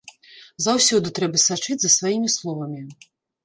Заўсёды трэба сачыць за сваімі словамі!